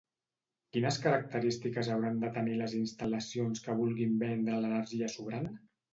Quines característiques hauran de tenir les instal·lacions que vulguin vendre l'energia sobrant?